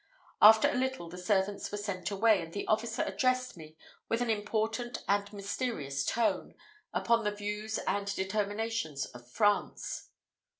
After a little, the servants were sent away, and the officer addressed me with an important and mysterious tone, upon the views and determinations of France.